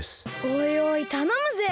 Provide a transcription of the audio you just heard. おいおいたのむぜ。